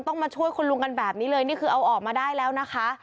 มาช่วยคุณลุงกันแบบนี้เลยนี่คือเอาออกมาได้แล้วนะคะ